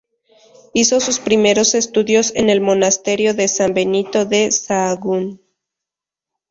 Hizo sus primeros estudios en el Monasterio de San Benito de Sahagún.